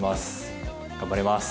頑張ります。